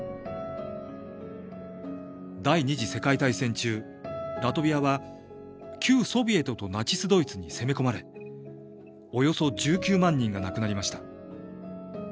第二次世界大戦中、ラトビアは旧ソビエトとナチス・ドイツに攻め込まれ、およそ１９万人が亡くなりました。